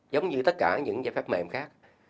giống như tất cả những giải pháp mềm khác